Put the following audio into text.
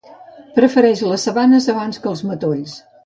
Prefereix les sabanes abans que els matolls.